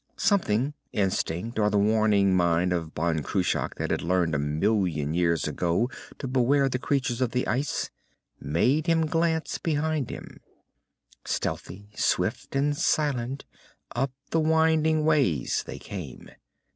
Something instinct, or the warning mind of Ban Cruach that had learned a million years ago to beware the creatures of the ice made him glance behind him. Stealthy, swift and silent, up the winding ways they came.